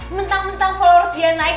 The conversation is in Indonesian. mentang mentang kalau harus dia naik